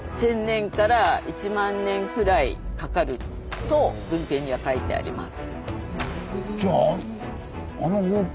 と文献には書いてあります。